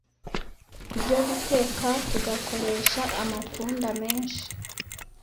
ibyo guteka tugakoresha amatunda menshi